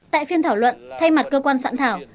tại phiên thảo luận thay mặt cơ quan soạn thảo